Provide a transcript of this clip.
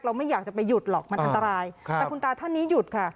ไม่อยากจะไปหยุดหรอกมันอันตรายแต่คุณตาท่านนี้หยุดค่ะ